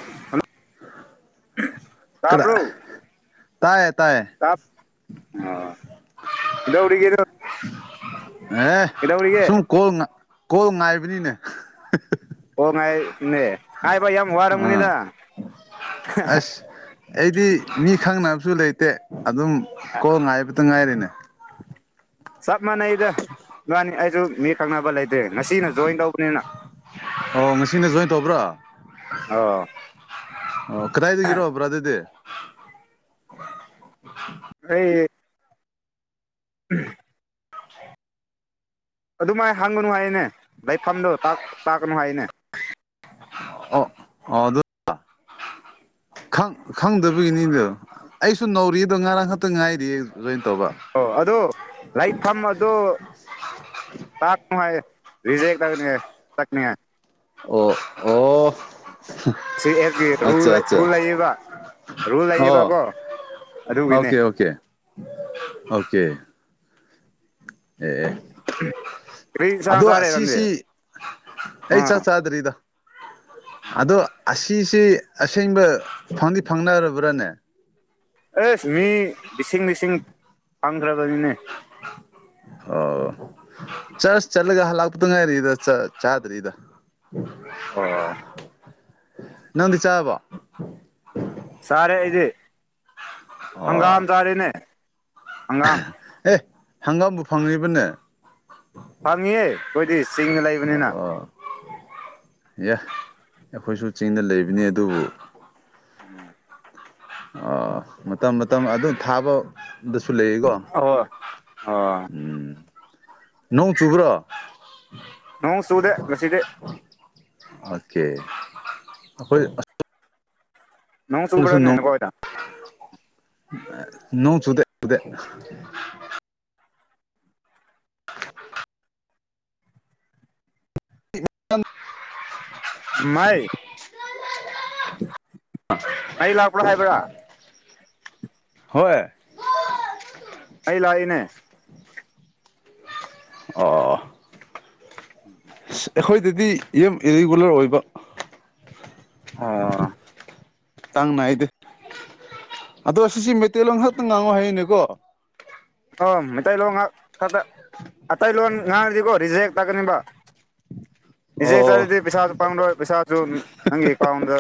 [unintelligible] ꯀꯅꯥ ꯇꯥꯕ꯭ꯔꫭ ꯇꯥꯏꯌꯦ ꯇꯥꯏꯌꯦ ꯇꯄ ꯑ ꯗꯧꯔꯤꯒꯦ ꯅꯪ ꯑꯦ ꯁꯨꯝ ꯀꯣꯜ ꯀꯣꯜ ꯉꯥꯏꯕꯅꯤꯅꯦ ꯑꯣ ꯉꯥꯏꯞꯅꯦ ꯉꯥꯏꯕ ꯌꯥꯝ ꯑꯥ ꯋꯥꯔꯝꯒꯅꯤꯗ ꯑꯁ ꯑꯩꯗꯤ ꯃꯤ ꯈꯪꯅ ꯜ ꯁꯨ ꯂꯩꯇꯦ ꯑꯗꯨꯝ ꯀꯣ ꯉꯥꯏꯕꯇ ꯉꯥꯏꯔꯤꯅꯦ ꯆꯞ ꯃꯥꯟꯅꯩꯗ ꯏꯕꯅꯤ ꯑꯩꯁꯨ ꯃꯤ ꯈꯪꯅꯕ ꯂꯩꯇ꯭ꯦ ꯉꯁꯤꯅ ꯖꯣꯏꯟ ꯇꯧꯕꯅꯤꯅ ꯑꯣ ꯉꯁꯤꯅ ꯖꯣꯏꯟ ꯇꯧꯕ꯭ꯔꯥ ꯑꯣ ꯑꯣ ꯀꯗꯥꯏꯗꯒꯤꯔꯣ ꯕꯔꯥꯗꯔꯗꯤ ꯑꯩ ꯎꯝ ꯑꯗꯨꯃꯥꯏ ꯍꯪꯒꯅꯨ ꯍꯥꯏꯅꯦ ꯂꯩꯐꯝꯗꯣ ꯇꯥꯛ ꯇꯥꯛꯀꯅꯨ ꯍꯥꯏꯅꯦ ꯑꯣ ꯑꯣ ꯑꯗꯨ ꯈꯪ ꯈꯪꯗꯕꯒꯤꯅꯤꯗꯣ ꯑꯩꯁꯨ ꯅꯧꯔꯤ ꯑꯗꯣ ꯉꯔꯥꯡ ꯈꯛꯇ ꯉꯥꯏꯔꯤ ꯑꯣ ꯑꯗꯨ ꯂꯩꯐꯝ ꯑꯗꯨ ꯇꯛꯅꯨ ꯍꯥꯏꯌꯦ ꯔꯤꯖꯛ ꯇ ꯇꯛꯅꯤ ꯍꯥꯏ ꯑꯣ ꯑꯣ ꯊꯔꯤ ꯑꯦꯐꯀꯤ ꯔꯨꯜ ꯑꯠꯆꯥ ꯂꯩ ꯑꯠꯆꯥ ꯂꯩꯌꯦꯕ ꯔꯨꯜ ꯑꯣ ꯂꯩꯌꯦꯕꯀꯣ ꯑꯗꯨꯒꯤꯅꯦ ꯑꯣꯀꯦ ꯑꯣꯀꯦ ꯑꯣꯀꯦ ꯑꯦ ꯀꯔꯤ ꯏꯟꯁꯥꯡ ꯑꯗꯣ ꯆꯥꯔꯦ ꯅꯪꯗꯤ ꯁꯤꯁꯤ ꯑꯩ ꯆꯥꯛ ꯑꯥ ꯆꯥꯗ꯭ꯔꯤꯗ ꯑꯗꯣ ꯑꯁꯤ ꯁꯤ ꯑꯁꯦꯡꯕ ꯐꯪꯗꯤ ꯐꯪꯅꯔꯕ꯭ꯔꯥꯅꯦ ꯑꯦꯁ ꯃꯤ ꯂꯤꯁꯤꯡ ꯂꯤꯁꯤꯡ ꯐꯪ ꯀꯔꯥꯕꯅꯤꯅꯦ ꯆꯔꯠꯁ ꯆꯂꯒ ꯍꯜꯂꯛꯄꯗ ꯉꯥꯏꯔꯤꯗ ꯆ ꯆꯥꯗꯔꯤꯗ ꯑꯣ ꯅꯪꯗꯤ ꯆꯥꯕꯣ ꯆꯥꯔꯦ ꯑꯩꯗꯤ ꯍꯪꯒꯥꯝ ꯑꯣ ꯆꯔꯦꯅꯦ ꯑꯪꯒꯥꯝ ꯑꯦ ꯍꯪꯒꯥꯝꯕꯨ ꯐꯪꯔꯤꯕꯅꯦ ꯐꯪꯉꯤꯌꯦ ꯑꯩꯈꯣꯏꯗꯤ ꯆꯤꯡꯗ ꯂꯩꯕꯅꯤꯅ ꯑꯦ ꯑꯩꯈꯣꯏꯁꯨ ꯆꯤꯡꯗ ꯂꯩꯕꯅꯤ ꯑꯗꯨꯕꯨ ꯑ ꯃꯇꯝ ꯃꯇꯝ ꯑꯗꯨꯝ ꯊꯥꯕ ꯁꯨ ꯂꯩꯌꯦꯀꯣ ꯑꯣ ꯑꯣ ꯎꯝ ꯅꯣꯡ ꯆꯨꯕ꯭ꯔꯣ ꯅꯣꯡ ꯆꯨꯗꯦ ꯉꯁꯤꯗꯤ ꯑꯣꯀꯦ ꯑꯈꯣꯏ ꯅꯣꯡ ꯆꯨꯕꯔꯅꯦ ꯅꯈꯣꯏꯗ ꯅꯣꯡ ꯆꯨꯗꯦ ꯆꯨꯗꯦ ꯃꯩ [unintelligible] ꯃꯩ ꯂꯥꯛꯄꯔ ꯍꯥꯏꯕ꯭ꯔ ꯍꯣꯏ ꯑꯩ ꯂꯥꯛꯏꯅꯦ ꯑꯣ ꯑꯣ [inaudible] ꯑꯩꯈꯣꯏꯗꯗꯤ ꯌꯨꯝ ꯏꯔꯤꯒꯨꯂꯔ ꯑꯣꯏꯕ ꯑꯣ ꯆꯥꯡꯅꯥꯏꯗꯦ ꯑꯗꯣ ꯁꯤꯁꯤ ꯃꯩꯇꯩꯂꯣꯟ ꯈꯛꯇ ꯉꯥꯡꯉꯣ ꯍꯥꯏꯌꯦꯅꯦꯀꯣ ꯃꯤꯇꯩꯂꯣꯟ ꯈꯛꯇ ꯑꯇꯩꯂꯣꯟ ꯉꯥꯡꯉꯔꯗꯤꯀꯣ ꯔꯤꯖꯦꯛ ꯆꯛꯀꯅꯤꯕ ꯔꯤꯆꯦꯛ ꯑꯣ ꯆꯠꯂꯗꯤ ꯄꯩꯁꯥꯖꯨ ꯄꯪꯔꯣꯏ ꯄꯩꯁꯥꯖꯨ ꯅꯪꯒꯤ ꯑꯦꯀꯥꯎꯗ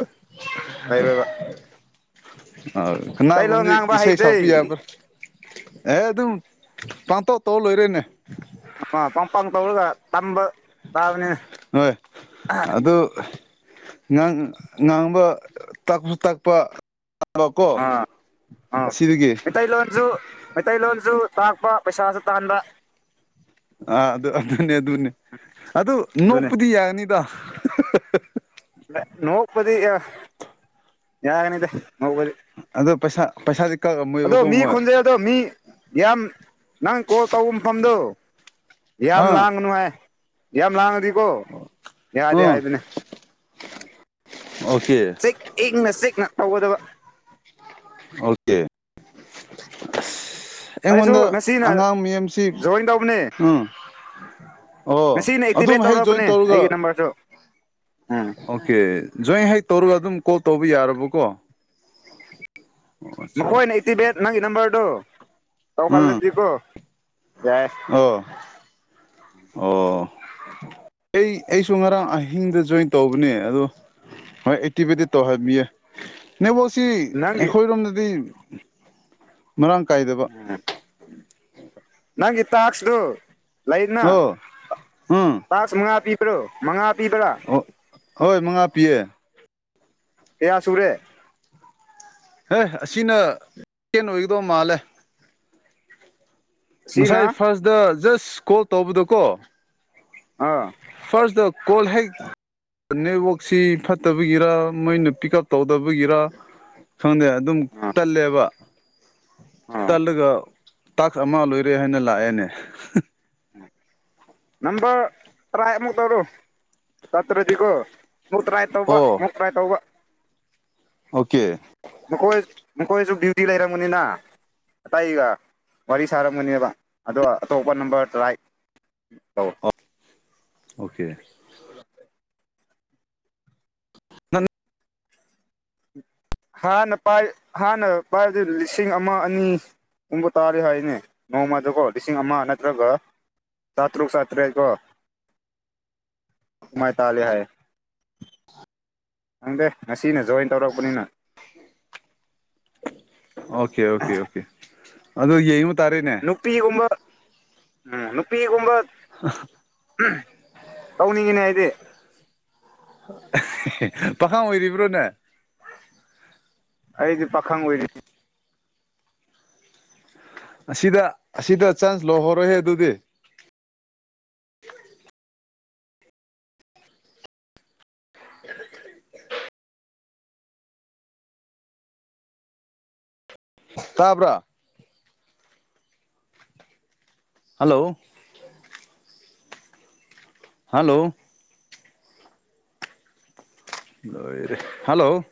ꯂꯩꯔꯣꯢꯕ ꯑ ꯀꯅꯥꯒꯨꯝꯗꯤ ꯏꯁꯩ ꯍꯩꯇꯦ ꯁꯛꯄꯤ ꯌꯥꯕ꯭ꯔ ꯑꯦ ꯑꯗꯨꯝ ꯄꯥꯟꯇꯧ ꯇꯧ ꯂꯣꯏꯔꯦꯅꯦ ꯑ ꯄꯪ ꯄꯪ ꯇꯧꯔꯒ ꯇꯝꯕ ꯇꯥꯕꯅꯤꯅꯦ ꯍꯣꯏ ꯑꯗꯨ ꯉꯥꯡ ꯉꯥꯡꯕ ꯇꯛꯁꯨ ꯇꯛꯄ ꯇꯕꯀꯣ ꯑꯥ ꯑꯥ ꯁꯤꯗꯒꯤ ꯃꯩꯇꯩꯂꯣꯟꯁꯨ ꯃꯩꯇꯩꯂꯣꯟꯁꯨ ꯇꯥꯛꯄ ꯄꯩꯁꯥꯁꯨ ꯇꯥꯟꯕ ꯑꯥ ꯑꯗꯨ ꯑꯗꯨꯅꯦ ꯑꯗꯨꯅꯦ ꯑꯗꯨ ꯑꯗꯨꯅꯦ ꯅꯣꯛꯄꯗꯤ ꯌꯥꯅꯤꯗ [unintelligible] ꯅꯣꯛꯄꯗꯤ ꯌꯥꯒꯅꯤꯗ ꯅꯣꯛꯄꯗꯤ ꯑꯗꯨ ꯄꯩꯁꯥ ꯄꯩꯁꯥꯗꯤ ꯑꯗꯣ ꯀꯛꯑꯝꯃꯣꯏꯕꯀꯣ ꯃꯤ ꯃꯣꯏ ꯈꯣꯟꯖꯦꯟꯗꯣ ꯃꯤ ꯌꯥꯝ ꯅꯪ ꯀꯣꯜ ꯇꯧꯕ ꯃꯐꯝꯗꯣ ꯌꯥꯝ ꯑꯥ ꯂꯥꯡꯒꯅꯨ ꯍꯥꯢ ꯌꯥꯝ ꯂꯥꯡꯉꯗꯤꯀꯣ ꯌꯥꯗꯦ ꯑꯥ ꯍꯥꯏꯕꯅꯦ ꯑꯣꯀꯦ ꯆꯤꯛ ꯏꯪꯅ ꯆꯤꯛꯅ ꯇꯧꯒꯗꯕ ꯑꯣꯀꯦ ꯎꯝ ꯑꯩꯁꯨ ꯑꯩꯉꯣꯟꯗ ꯉꯁꯤꯅ ꯑꯉꯥꯡ ꯃꯌꯥꯝꯁꯤ ꯖꯣꯏꯟ ꯇꯧꯕꯅꯦ ꯎꯝ ꯑꯣ ꯉꯁꯤꯅ ꯑꯗꯨꯝ ꯑꯦꯛꯇꯤꯚꯦꯠ ꯍꯦꯛ ꯖꯣꯏꯟ ꯇꯧꯔꯕꯅꯦ ꯇꯧꯔꯒ ꯑꯩꯒꯤ ꯅꯝꯕꯔꯁꯨ ꯎꯝ ꯑꯣꯀꯦ ꯖꯣꯏꯟ ꯍꯦꯛ ꯇꯧꯔꯒ ꯑꯗꯨꯝ ꯀꯣꯜ ꯇꯧꯕ ꯌꯥꯔꯕꯀꯣ ꯑꯠꯆꯥ ꯃꯈꯣꯏꯅ ꯑꯦꯛꯇꯤꯚꯦꯠ ꯅꯪꯒꯤ ꯅꯝꯕꯔꯗꯣ ꯎꯝ ꯇꯧꯍꯜꯂꯗꯤꯀꯣ ꯌꯥꯏ ꯑꯣ ꯑꯣ ꯑꯩ ꯑꯩꯁꯨ ꯉꯔꯥꯡ ꯑꯍꯤꯡꯗ ꯖꯣꯏꯟ ꯇꯧꯕꯅꯦ ꯑꯗꯣ ꯍꯣꯏ ꯑꯦꯇꯤꯕꯦꯠꯗꯤ ꯇꯧꯍꯟꯕꯤꯌꯦ ꯅꯦꯋꯥꯛꯁꯤ ꯅꯪꯒꯤ ꯑꯩꯈꯣꯏꯔꯣꯝꯗꯗꯤ ꯃꯔꯥꯡ ꯀꯥꯏꯗꯕ ꯅꯪꯒꯤ ꯇꯥꯛꯁꯇꯨ ꯂꯩꯅ ꯑꯣ ꯎꯝ ꯇꯥꯛꯁ ꯃꯉꯥ ꯄꯤꯕ꯭ꯔꯣ ꯃꯉꯥ ꯄꯤꯕ꯭ꯔꯥ ꯑꯣ ꯍꯣꯏ ꯃꯉꯥ ꯄꯤꯌꯦ ꯀꯌꯥ ꯁꯨꯔꯦ ꯍꯦ ꯑꯁꯤꯅ ꯆꯦꯟ ꯑꯣꯏꯒꯗꯧꯕ ꯃꯥꯜꯂꯦ ꯉꯁꯥꯏ ꯁꯤꯅ ꯐꯥꯔꯁꯇ ꯖꯁ ꯀꯣꯜ ꯇꯧꯕꯗꯣ ꯀꯣ ꯑ ꯀꯣꯜ ꯍꯦꯛ ꯅꯦꯠꯋꯥꯛꯁꯤ ꯐꯠꯇꯕꯒꯤꯔ ꯃꯣꯏꯅ ꯄꯤꯛ ꯎꯞ ꯇꯧꯗꯕꯒꯤꯔ ꯈꯪꯗꯦ ꯑꯗꯨꯝ ꯑꯥ ꯇꯠꯂꯦꯕ ꯑꯥ ꯇꯠꯂꯒ ꯇꯥꯛꯁ ꯑꯃ ꯂꯣꯏꯔ ꯔꯦ ꯍꯥꯏꯅ ꯂꯥꯛꯑꯦꯅꯦ ꯅꯝꯕꯔ ꯇ꯭ꯔꯥꯏ ꯑꯃꯨꯛ ꯇꯧꯔꯣ ꯆꯠꯇ꯭ꯔꯗꯤꯒꯣ ꯃꯨꯛ ꯇ꯭ꯔꯥꯏ ꯇꯧꯕ ꯑꯣ ꯃꯨꯛ ꯇ꯭ꯔꯥꯏ ꯇꯧꯕ ꯑꯣꯀꯦ ꯗꯤꯌꯨꯇꯤ ꯂꯩꯔꯝ ꯒꯅꯤꯅ ꯑꯇꯩꯒ ꯋꯥꯔꯤ ꯁꯥꯔꯝꯒꯅꯦꯕ ꯑꯗꯣ ꯑꯇꯣꯞꯄ ꯅꯝꯕꯔ ꯇ꯭ꯔꯥꯏ ꯑꯥꯎ ꯑꯣꯀꯦ [unintelligible] [unintelligible] ꯍꯥꯟꯅ ꯄꯥꯏ ꯍꯥꯟꯅ ꯄꯥꯏꯕꯗꯨ ꯂꯤꯁꯤꯡ ꯑꯃ ꯑꯅꯤ ꯒꯨꯝꯕ ꯇꯥꯔꯦ ꯍꯥꯏꯅꯦ ꯅꯣꯡꯃꯗꯀꯣ ꯂꯤꯁꯤꯡ ꯑꯃ ꯅꯠꯇ꯭ꯔꯒ ꯆꯥꯇꯔꯨꯛ ꯆꯥꯇꯔꯦꯠ ꯀꯣ ꯃꯥꯏ ꯇꯥꯜꯂꯦ ꯍꯥꯏ ꯈꯪꯗꯦ ꯉꯁꯤꯅ ꯖꯣꯏꯟ ꯇꯧꯔꯛꯄꯅꯤꯅ ꯑꯣꯀꯦ ꯑꯣꯀꯦ ꯑꯣꯀꯦ ꯑꯗꯨ ꯌꯦꯡꯉꯨꯠ ꯅꯨꯄꯤꯒꯨꯝꯕ ꯎꯝ ꯅꯨꯄꯤꯒꯨꯝꯕ ꯇꯧꯅꯤꯡꯉꯤꯅꯦ ꯍꯥꯏꯗꯤ ꯄꯥꯈꯪ ꯑꯣꯏꯔꯤꯕ꯭ꯔꯣ ꯅꯪ ꯑꯩꯗꯤ ꯄꯥꯈꯪ ꯑꯣꯏꯔꯤ ꯑꯁꯤꯗ ꯑꯁꯤꯗ ꯆꯥꯟꯁ ꯂꯧꯍꯧꯔꯣꯍꯦ ꯑꯗꯨꯗꯤ [inaudible] ꯇꯥꯕ꯭ꯔꯥ ꯍꯂꯣ ꯍꯜꯂꯣ ꯂꯣꯏꯔꯦ ꯍꯜꯂꯣ